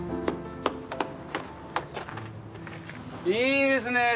いいですねえ